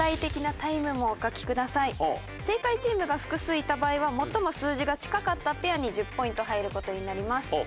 正解チームが複数いた場合は最も数字が近かったペアに１０ポイント入る事になります。